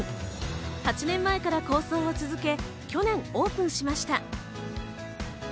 ８年前から構想を続け、去年オープンしました。